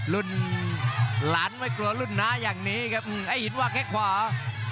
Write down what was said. รุ่นหลานไม่กลัวรุ่นน้าอย่างนี้ครับไอ้หินวางแค่ขวา